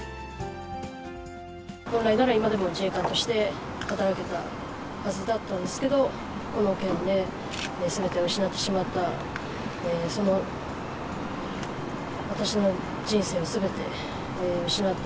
本来なら今でも自衛官として働いてたはずだったんですけど、この件ですべてを失ってしまった、その、私の人生を、すべて失った。